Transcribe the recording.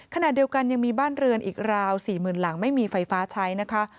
ขณะเดียวกันยังมีบ้านเรือนอีกราว๔๐๐๐หลังไม่มีไฟฟ้าใช้นะคะ